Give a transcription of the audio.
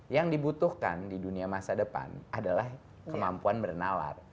yang dibutuhkan di dunia masa depan adalah kemampuan bernalar